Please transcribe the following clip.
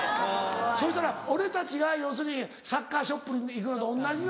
そしたら俺たちが要するにサッカーショップに行くのと同じなのか。